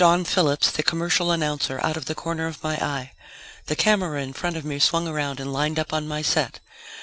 I watched Don Phillips, the commercial announcer, out of the corner of my eye. The camera in front of me swung around and lined up on my set.